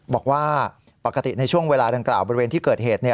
บอกว่าปกติในช่วงเวลาดังกล่าวบริเวณที่เกิดเหตุ